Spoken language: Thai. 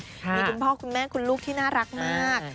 มีคุณพ่อคุณแม่คุณลูกที่น่ารักมาก